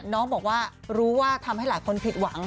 น้องบอกว่ารู้ว่าทำให้หลายคนผิดหวัง